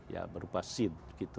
ya berupa seed gitu